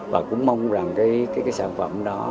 và cũng mong rằng cái sản phẩm đó